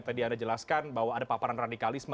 tadi anda jelaskan bahwa ada paparan radikalisme